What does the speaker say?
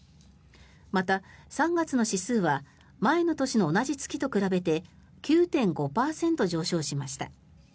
また、３月の指数は前の年の同じ月と比べて９．５％上昇しました。